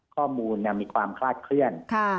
ข้อมูลมีความคลาดเคลื่อน